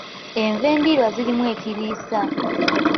Envendiirwa zirimu ekiriisa.